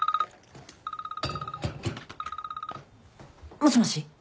もしもし。